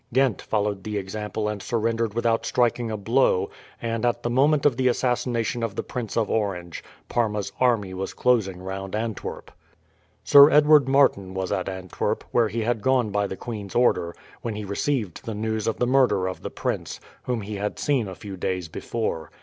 Ghent followed the example and surrendered without striking a blow, and at the moment of the assassination of the Prince of Orange Parma's army was closing round Antwerp. Sir Edward Martin was at Antwerp, where he had gone by the queen's order, when he received the news of the murder of the prince, whom he had seen a few days before.